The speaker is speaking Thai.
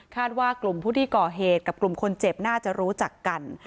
ว่ากลุ่มผู้ที่ก่อเหตุกับกลุ่มคนเจ็บน่าจะรู้จักกัน